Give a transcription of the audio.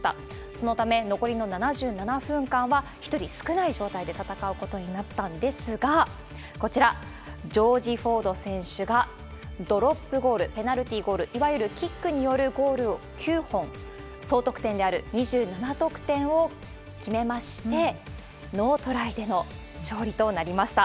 そのため、残りの７７分間は１人少ない状態で戦うことになったんですが、こちら、ジョージ・フォード選手がドロップゴール、ペナルティゴール、いわゆるキックによるゴールを９本、総得点である２７得点を決めまして、ノートライでの勝利となりました。